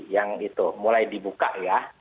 yang itu mulai dibuka ya